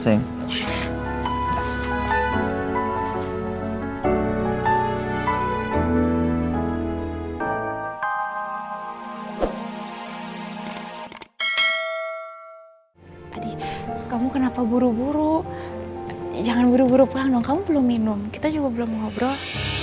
hai adi kamu kenapa buru buru jangan buru buru pano kamu belum minum kita juga belum ngobrol